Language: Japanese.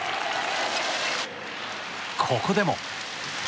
ここでも。